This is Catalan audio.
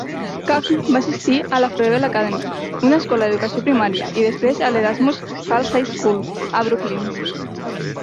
Kahn va assistir a la Froebel Academy, una escola d'educació primària, i després a l'Erasmus Hall High School, a Brooklyn.